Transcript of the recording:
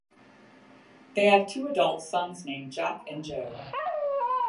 They have two adult sons named Jack and Joe.